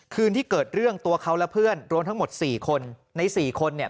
คืนที่เกิดเรื่องตัวเขาและเพื่อนรวมทั้งหมด๔คนใน๔คนเนี่ย